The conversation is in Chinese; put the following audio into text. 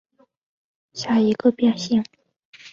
宽刺绢毛蔷薇为蔷薇科蔷薇属绢毛蔷薇下的一个变型。